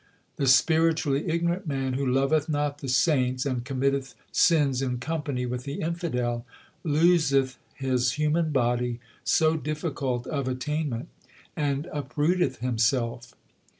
The spiritually ignorant man who loveth not the saints, And committeth sins in company with the infidel, Loseth his human body so difficult of attainment, and uprooteth himself.